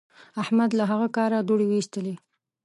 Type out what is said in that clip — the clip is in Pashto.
احمد له هغه کاره دوړې واېستلې.